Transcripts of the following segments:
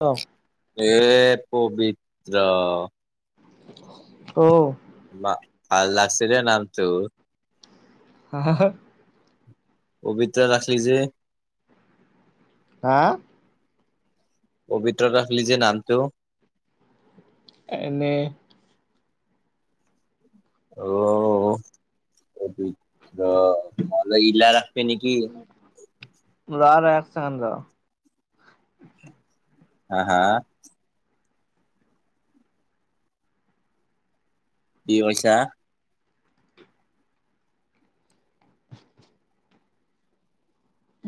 অ এ পবিত্ৰ অ মা ভাল লাগছে দে নামটো হ হা হা পবিত্ৰ ৰাখিলি যে হা পবিত্ৰ ৰাখলি যে নামটো এনেই অ স পবিত্ৰ নহলে ইলা ৰাখবি নেকি লৱা ৰ এক চেকেণ্ড ৰ হা হা কি কৈছা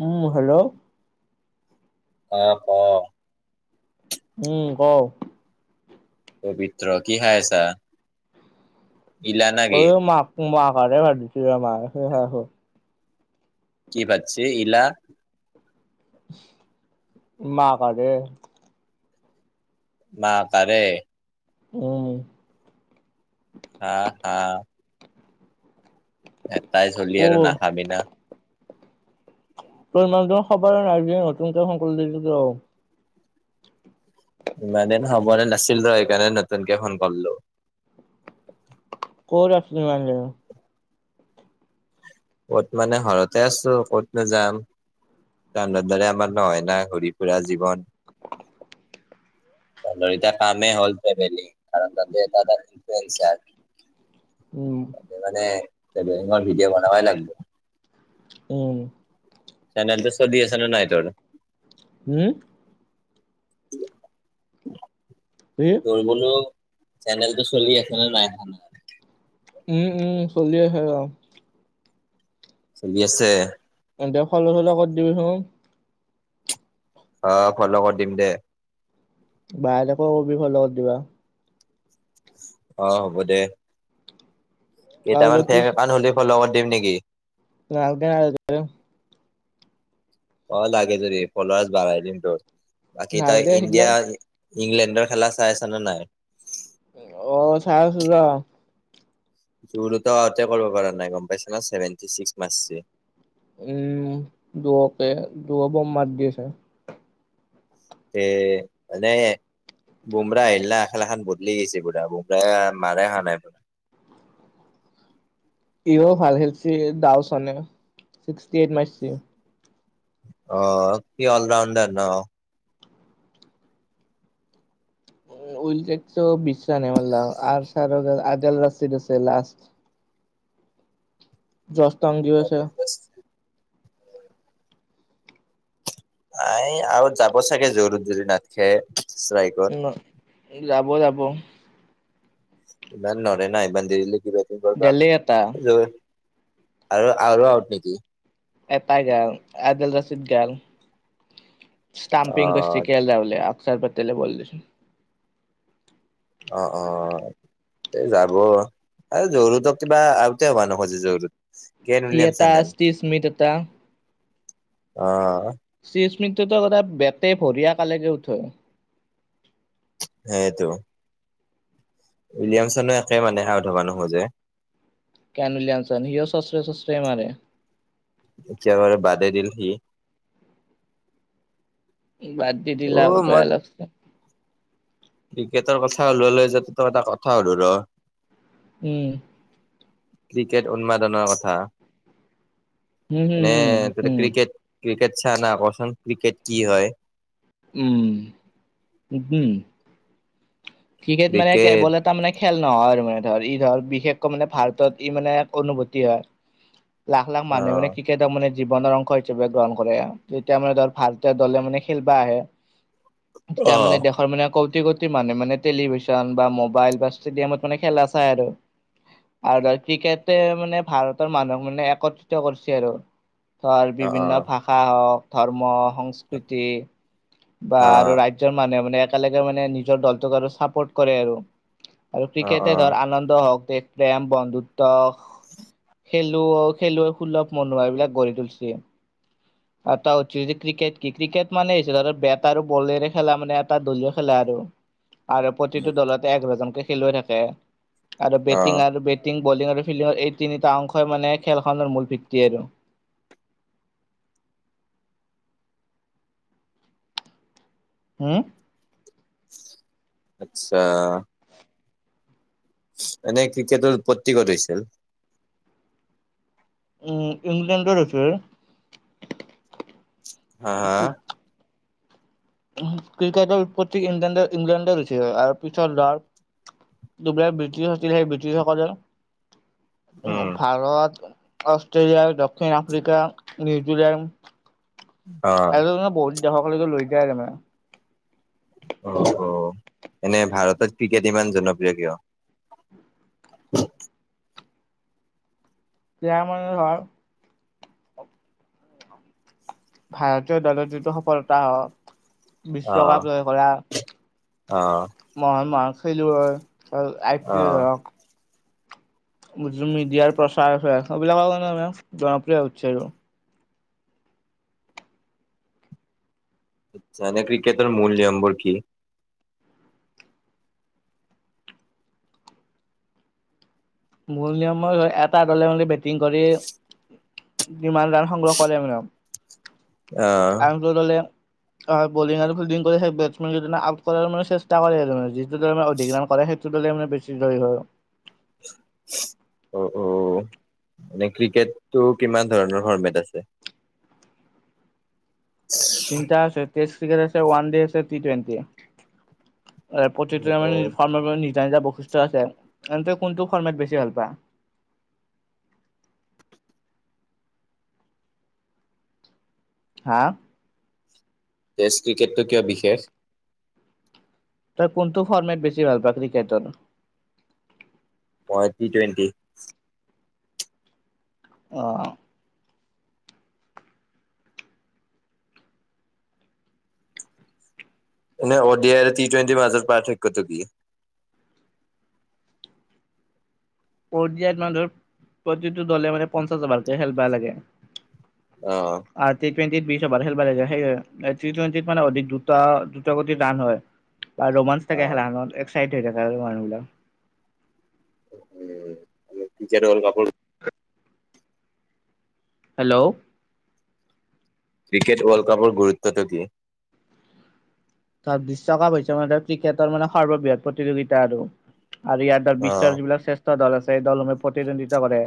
উম হেল্ল' অ ক উম কও প্ৰবিত্ৰ কি খাই আছা ইলা না অ কি ঐ মাক মাৰ কাৰণে ভাজিছিলে মাই সেই খাই আছো কি পাতছে ইলা মা কা দে না কা ৰে উ হা হা এটাই চলি অ আৰু নাখাবি না তই ইমানটো খবৰ আজি নতুনকে শংকুল দেখিছ ইমান দিন হব নে নাছিল ৰ সেইকাৰণে নতুনকে ফোন কৰিলো কত আছিলি ইমান দিন ক'ত মানে ঘৰতে আছো ক'ত নো যাম তাহাঁতৰ দৰে আমাৰ নহয় না ঘূৰি ফুৰা জীৱন তহঁতৰ এতিয়া কামেই হ'ল ফেমিলি কাৰণ তাতে এটা এটা তুলি থৈ আহিছা [unintelligible] উম মানে ট্ৰেভেলিঙৰ ভিডিঅ' বনাবই লাগিব উম চেনেলতো চলি আছে নে নাই তোৰ হুম [unintelligible] [unintelligible] তোৰ বোলো চেনেলটো চলি আছে নে নাই উম উম চলিয়ে আছে আৰু চলি আছে [unintelligible] কত দিবি চোন অ ফ্ল কৰি দিম দে বাইহতকো কবি ফ্ল কৰি দিব অ হ'ব দে আৰু কেইটামান ফেক একাউণ্ট খোলি ফ্ল কৰি দিম নেকি নালাগে নালাগে ক লাগে যদি ফ্লৱাচ বঢ়াই দিম তোৰ বাকি তই নালগে সেইগিলা ইণ্ডিয়া ইংলেণ্ডৰ খেলা চাই আছ নে নাই অ চাই আছো ৰ জোৰোতক আউতে কৰিব পৰা নাই গম পাইছা না ছেভেনটি ছিক্স মাৰিছে উম দুুৱকে দূৰৰ পৰা মাত দি আছে এ এনেই বোমৰা আহিলা খেল এখন বদলি গৈছে পুৰা বোমৰা মাৰে অহা নাই সিয়ো ভাল খেলিছে দাওচনে ছিক্সটি এইট মাৰিছে অ সি অল ৰাউণ্ডাৰ ন উলটেকচো বিশছ নাই মল আৰ চাৰ আইদেল ৰাচিত আছে লাষ্ট যস্তং দিৱ আছে আ আৰু যাব চাগে জোৰুত যদি নাথাকে ইষ্টাৱেকত উম যাব যাব দেলি এটা [unintelligible] আৰু আৰু আউট নেকি এটাই গল আদিল ৰছিদ গল ষ্টাম্পিং কৰিছে অ' কে এল ৰাহুলে অক্ষাৰ পতেলে বল দিছে অ অ এই যাব আৰু জোৰুতক কিবা আউতে হবা নোখোজে চোন কেন সি এটা উলিয়ামচেন ষ্টিভ স্মিথ এটা অহ শ্ৰীস্মৃতো বেতে বৰিয়া কালেকে আউট হয় সেইটো উইলিয়ামচনো একে মানে আউট হব নোখোজে কেন উইলিয়ামচন সিও চচৰে চচৰে মাৰে এতিয়া বাৰু বাদে দিল সি বাদ দি দিলা অ' মই বলাগছে ক্ৰিকেটৰ কথা উলালেই যেতিয়া তোক এটা কথা সোধো ৰ উম ক্ৰিকেট উন্মাদনৰ কথা হুম, হুম, মানে হুম, ত হুম, ক্ৰিকেট ক্ৰিকেট চাও না কচোন ক্ৰিকেট কি হয় উম উগু। ক্ৰিকেট মানে কে বলেত তাৰ মানে খেল নহয় আৰু মানে ধৰ ই ধৰ বিশেষকৈ মানে ভাৰতত ই মানে এক অনুভূতি হয়। [inaudible] লাখ লাখ মানুহে মানে অ', কি- কেটক মানে জীৱনৰ অংশ হিচাপে গ্ৰহণ কৰে, যেতিয়া মানে ধৰ ভাৰতীয় দলে মানে খেলিবা আহে। [inaudible] [unintelligible] মানে দেশৰ মানে কৌতিকৌত প্ৰতি মানে মানে টেলিভিছন বা মোবাইল বা ষ্টেডিয়ামত মানে খেলা চাই আৰু। আৰু ধৰ ক্ৰিকেট মানে ভাৰতৰ মানুহক মানে একত্ৰিত কৰিছে আৰু। ধৰ অ', বিভিন্ন অ', ভাষা হওক ধৰ্ম সংস্কৃতি বা আৰু ৰাজ- জৰ মানে মানে একেলগে মানে নিজৰ দলটোক আৰু চাপৰ্ট কৰে আৰু। আৰু অ', অ', ক্ৰিকেটে ধৰ আনন্দ হওক দেশ প্ৰেম বন্ধুত্ব খেলুৱ খেলুৱৈ সুলভ মনোভাব এবিলাক গঢ়ি তুলিছে। [inaudible] এটা অতিৰিক্ত ক্ৰিকেট কি ক্ৰিকেট মানে ধৰ বেট আৰু বলেৰে খেলা মানে এটা দলীয় খেলা আৰু। আৰু প্ৰতিটো দলতে এঘাৰজনকে খেলুৱৈ থাকে আৰু বেটিং অ', আৰু বেত টিং বলিং আৰু ফিল্ডিঙৰ এই তিনিটা অংশই মানে খেলখনৰ মূল ভিত্তি আৰু। হুম। আত্চ্ছা। এনে ক্ৰিকেটৰ উৎপত্তি ক'ত হৈছিল? উ ইংলেণ্ডৰ হৈছে। হা হা? ক্ৰিকেটৰ উৎপত্তি ইংলেণ্ড ইংলেণ্ডে হুচিহা আৰু পিছত দাৰ্ক দুবিলাই ব্ৰিটিছ আছিলে সেই ব্ৰিটিছসকলে উম ভাৰত, অষ্ট্ৰেলিয়া, দক্ষিণ আফ্ৰিকা, নিউজিলেণ্ড অ', [unintelligible] বহুত দেশকলৈকে লৈ গেয়াই দেমে। অ এনে ভাৰতত ক্ৰিকেট ইমান জনপ্ৰিয় কিয়? তিয়া মানে ধৰ ভাৰতীয় দলৰ যিটো সফলতা হওক অ', বিশ্বকাপ জয় কৰা। অ', মহান মহান খেলুৱৈ আই পি এল অ', হওঁক মিডিয়াৰ প্ৰচাৰ চলায় এইবিলাক [unintelligible] জনপ্ৰিয় হৈছে আৰু। [unintelligible] ক্ৰিকেটৰ মূল নিয়মবোৰ কি? মূল নিয়ম ময় হয় এটা দলে মালে বেটিং কৰি যিমান ৰান সংগ্ৰহ কৰে মানে আও। ইয়াহ ত দলে আ বলিং আৰু ফিল্ডিং কৰি সেই বেটছমেন কিদিনা আউট কৰাৰ মানে চেষ্টা কৰে [unintelligible] [unintelligible] অধিক ৰান কৰে সেইটো দলে মানে বেছি জয় হয়। অ অ মানে ক্ৰিকেটটো কিমান ধৰণৰ ফৰ্মেট আছে? [inaudible] তিনিটা আছে। ষ্টেছটিগাৰে আছে ওৱান ডে আছে টি টুৱেন্টি। এ প্ৰতিটো তামানে নি ফৰ্মৰ বাবে নিজা নিজা বৈশিষ্ট্য আছে। এনতে কোনটো ফৰ্মেত বেছি ভাল পা। হা? টেষ্ট ক্ৰিকেটটো কিয় বিশেষ? তই কোনটো ফৰ্মেট বেছি ভাল পোৱা ক্ৰিকেটৰ মই টি টুৱেণ্টি অহ ন অ'ডিয় এ ি টেণ্টি মাজাৰ পাৰ এক [unintelligible] ত কিিয়ে পৰ্যায়ত মানুহৰ প্ৰতিটো দলে মানে পঞ্চাচ অভাৰকে খেলিব লাগে অহ আৰু টি টুৱেণ্টিত বি অভাৰ খেলিব লাগে সেই হয় টি টুৱেণ্টিত মানে অধিক দুটা দুটা দ্ৰুত ৰাণ হয় বা ৰোমাঞ্চ থাকে অ'। খেলা খনত এক্সাইট হৈ থাকে মানুহবিলাক উম এতিয়াতো world cup hello cricket world কাপৰ গুৰুত্বটো কি তাত বিশ্বকাপ হৈছে মানে ক্ৰিকেটৰ মানে সৰ্ববৃহৎ প্ৰতিযোগিতা আৰু আৰু ইয়াত তাৰ অ', বিশ্বৰ যিবিলাক শ্ৰেষ্ঠ দল আছে দলসমূহ প্ৰতিদ্বন্দ্বিতা কৰে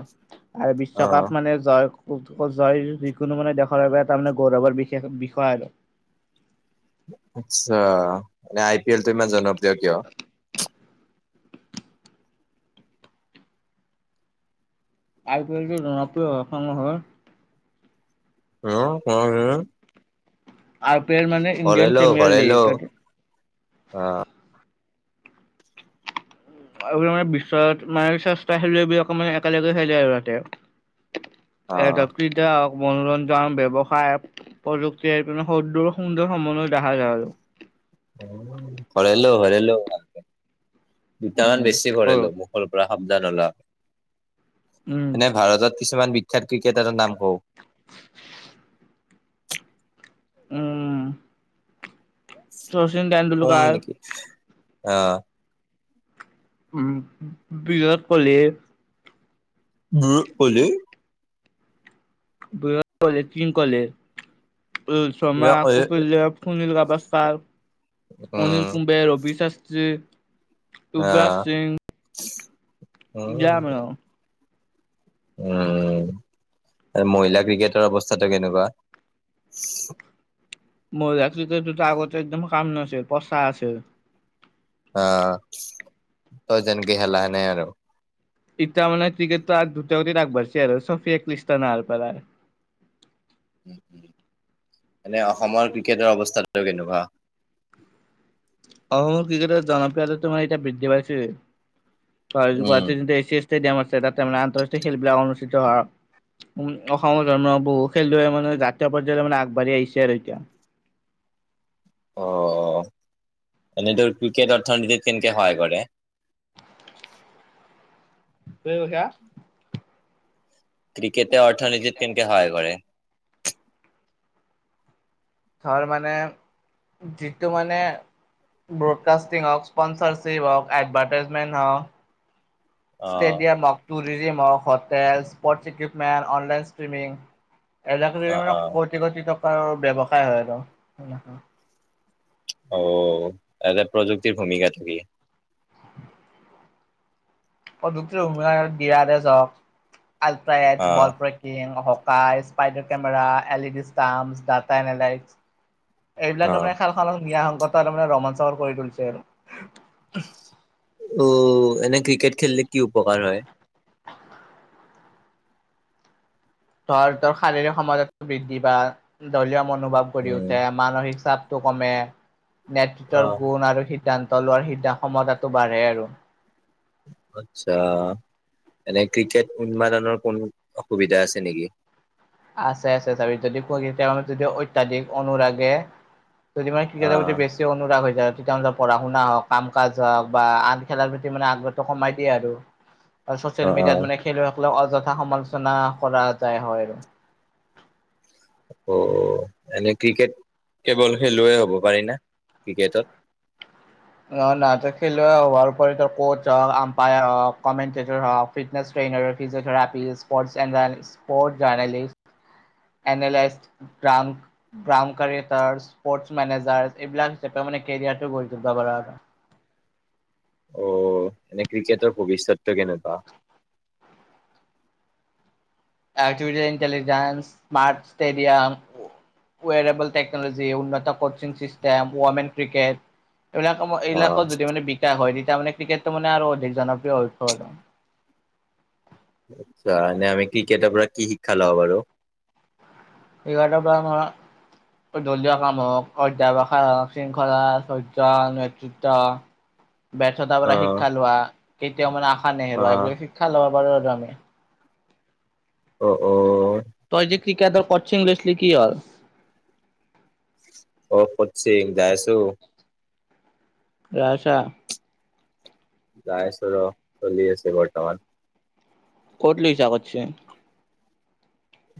আৰু অ'। বিশ্বকাপ মানে জয় উঠ ক জয় যিকোনো মানে দেশৰ বাবে এটা গৌৰৱৰ বিশেষ বিষয় আৰু আচ্ছা মানে আই পি এল টো ইমান জনপ্ৰিয় কিয় আই পি এলটো জনপ্ৰিয় অসম হল অহ কোৱা হৈছিলে আই পি এল মানে ইণ্ডিয়ান ভৰেলো প্ৰিমিয়াৰ লীগ অহ আৰু মানে বিশ্বত মানে চেষ্টা খেলুৱৈ বিলাকে মানে অকমান একেলগে খেলে আৰু তাতে এ [unintelligible] অ'। হক মনোৰঞ্জন ব্যৱসায় প্ৰযুক্তি এই পিনে সুন্দৰ সুন্দৰ সমন্বয় দেখা যায় আৰু ভৰাই ল ভৰাই ল দুটামান উম বেছি ভৰাই কৰো ল মোৰ সৰু পৰা সাবধান লোৱা উম এনে ভাৰতত কিছুমান বিখ্যাত ক্ৰিকেটাৰ নাম কওঁ উম চচিল তেণ্ডুলকাৰ অহ উম বিৰাট কোৱলি বিৰাট কোৱালি বিৰাট কোৱালি কিং কোৱালি উম ৰোহিত শৰ্মা আকৌ সুনীল গভা ষ্ট্ৰৰঅনিল উম, কুম্বে ৰবি শাস্ত্ৰী যুৱৰাজ অহ সিং উম দিয়া মানে উম মহিলা ক্ৰিকেটৰ অৱস্থাটো কেনেকুৱা মহিলা ক্ৰিকেটটো আগতে একদম কাম নাছিল পচা আছে অহ তই যেনকে খেলাহ সেনে আৰু এতিয়া মানে ক্ৰিকেটত আগ দ্ৰুত গতি আগবাঢ়িছে আৰু চ ফে এক লিষ্টা ন চবে খ্ৰিষ্টান অহা পৰা এনে অসমৰ ক্ৰিকেটৰ অৱস্থাটো কেনেকুৱা অও ক্ৰিকেটৰ জনপ্ৰিয়তা তোমাৰ এতিয়া বৃদ্ধি পাইছে উম, গুৱাহাটী ইষ্টিডিয়াম আছে তাতে মানে আন্তঃৰাষ্টীয় খেলবিলাকৰ অনুষ্ঠিত হয় উম অসমৰ ধৰণৰ বহু খেলুৱৈ মানে ৰাষ্ট্ৰীয় পৰ্যায়লৈ মানে আগবাঢ়ি আহিছে আৰু এতিয়া অহ এনেতো ক্ৰিকেট অৰ্থনীতিত কেনেকে সহায় কৰে ঠিকেই কৈছা ক্ৰিকেটে অৰ্থনীতিত কৈছা? কেনেকে সহায় কৰে ধৰ মানে কিন্তু মানে ব্ৰডকাষ্টিং হওঁক ইস্পনচাৰশ্বিপ হওঁক এডভাৰ্টাইজমেণ্ট হওঁক অ', ষ্টেডিয়াম হওক, টুৰিজিম হওক, hotel, sports equipment, online streaming অ', অ', [unintelligible] কোটি কোটি টকাৰ ব্যৱসায় হয় আৰু। অঁ, এযাত প্ৰযুক্তি ভূমিকা থাকিল। [unintelligible] হকাই, স্পাইডাৰ কেমেৰা, অ', L E D stump, data analyse, এইবিলাকে অ'। মানে খালখনক নিয়াসংকত মানে ৰোমাঞ্চ কৰি তুলিছে আৰু। অ এনে ক্ৰিকেট খেলিলে কি উপকাৰ হয়? ধৰ তৰ শাৰীৰিক সমাজত বৃদ্ধি বা দলীয় মনোভাৱ গঢ়ি উম, উঠে। মানসিক চাপটো কমে, নেতৃত্বৰ অ', গুণ আৰু সিদ্ধান্ত লোৱাৰ সিদ্ধান ক্ষমতাটো বাঢ়ে আৰু। আত্ছা, এনে ক্ৰিকেট উন্মাদনৰ কোন অসুবিধা আছে নেকি? আছে আছে, চাবি যদি ক [unintelligible] যদি অত্যাধিক অনুৰাগে যদি মই ক্ৰিকেটৰ প্ৰতি অ', বেষ্ট অনুৰাগ হৈ যায় আৰু তেতিয়া মানে পঢ়া-শুনা হওক, কাম-কাজ হওক বা আন খেলাৰ প্ৰতি মানে আগ্ৰহটো কমাই দিয়ে আৰু। [inaudible] আৰু ছচিয়েল মিডিয়াত অ', মানে- খেলুৱৈ সকলক অযথা সমালোচনা কৰা যায় হয় আৰু। অ, এনেই ক্ৰিকেট কেৱল খেলুৱৈ হ'ব পাৰে না ক্ৰিকেটত। অ না তই খেলুৱৈ হোৱাৰ উপৰি কৌছ হওক, আম্পায়াৰ হওক, কমেণ্টেটৰ হওক, ফিটনেছ টেইনাৰৰ, ফিজিঅথেৰাপীচ, স্পৰ্টছ [unintelligible] জনেলিষ্ট এনেলাইষ্ট ক্ৰামক, ক্ৰাম কৰে, স্পট মেনেজাৰচ এইবিলাক হিচাপে মানে কেৰিয়াৰটো গঢ়ি তুলিব পাৰা আৰু। অ, এনে ক্ৰিকেটৰ ভৱিষ্যতটো কেনেকুৱা? Artificial intelligence, smart stadium, wearable technology, উন্নত কচিং চিষ্টেম, ওৱমেন ক্ৰিকেট, এইবিলাক কামৰ এইবিলাকত অ' যদি মানে বিকাশ হয়, তেতিয়া মানে ক্ৰিকেটটো মানে আৰু অধিক জনপ্ৰিয় হৈ পৰে। আচ্ছা, এনে আমি ক্ৰিকেটৰ পৰা কি শিক্ষা লব পাৰোঁ? ক্ৰিকেটৰ পৰা ধৰা দলীয় কাম হওক, [unintelligible] শৃংখলা, চৰ্জন টা ব্যৰ্থতাৰ পৰা অ' শিক্ষা লোৱা, কেতিয়াও মানে আশা নেহেৰুৱা, অ' এইবিলাক শিক্ষা ল'ব পাৰো আৰু আমি। অ, অ। তই যে ক্ৰিকেটৰ কৌচিং লৈছিলি কি হল? অ, খতচি যাই আছোঁ। যাই আছা। যাই আছোঁ ৰ, চলি আছে বৰ্তমান। ক'ত লৈছো কৌসিং?